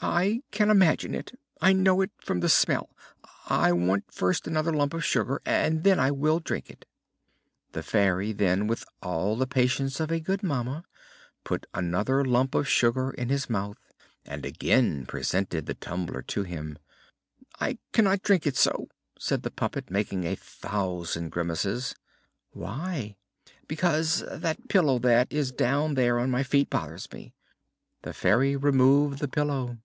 "I can imagine it! I know it from the smell. I want first another lump of sugar and then I will drink it!" The Fairy then, with all the patience of a good mamma, put another lump of sugar in his mouth, and again presented the tumbler to him. "I cannot drink it so!" said the puppet, making a thousand grimaces. "Why?" "Because that pillow that is down there on my feet bothers me." The Fairy removed the pillow.